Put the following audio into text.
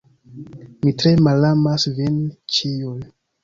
Mi tre malamas vin ĉiuj.